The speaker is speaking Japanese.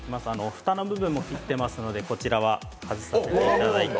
蓋の部分もありますので、こちらは外させていただいて。